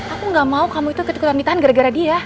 aku gak mau kamu itu ketamitan gara gara dia